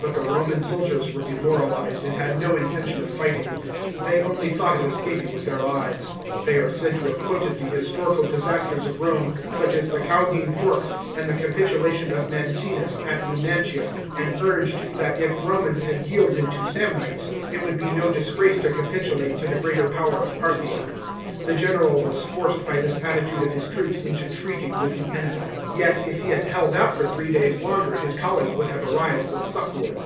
But the Roman soldiers were demoralised, and had no intention of righting; they only thought of escaping with their lives. They are said to have quoted the historical dkasters of Rome, such as the Caudine Forks * III. (Gallic*), VI. (Ferrate), andX. (.FretenstoY 62 A.D. THE DISASTER OF KAN DEI A. 319 and the capitulation of Mancinus at Nnmantia ; aud urged that if Romans had yielded to Samnites, it would be no disgrace to capitu late to the greater power of Parthia. The general was forced by this attitude of his troops into treating with the enemy. Yet if he had held out for three days longer his colleague would have arrived with succour.